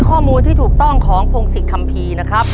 สูงทั้งหมด๔ข้อนะครับ